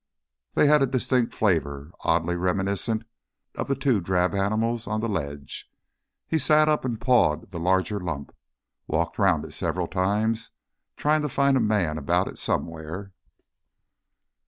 They had a distinctive flavour, oddly reminiscent of the two drab animals of the ledge. He sat up and pawed the larger lump, and walked round it several times, trying to find a man about it somewhere....